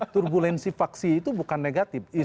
turbulensi faksi itu bukan negatif